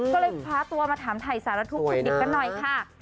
ก็เลยพาตัวมาถามไถ่สารทุกคนดิบกันหน่อยค่ะ